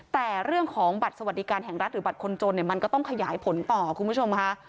แต่เรื่องของบัตรสวัสดิการแห่งรัฐหรือบัตรคนจนเนี่ยมันก็ต้องขยายผลต่อคุณผู้ชมค่ะ